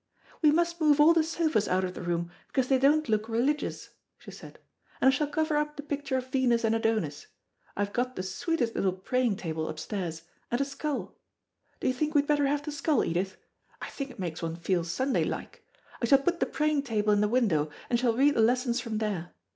"We must move all the sofas out of the room, because they don't look religious," she said; "and I shall cover up the picture of Venus and Adonis. I have got the sweetest little praying table upstairs, and a skull. Do you think we'd better have the skull, Edith? I think it makes one feel Sunday like. I shall put the praying table in the window, and shall read the lessons from there.